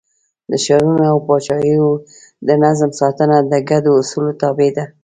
د ښارونو او پاچاهیو د نظم ساتنه د ګډو اصولو تابع ده.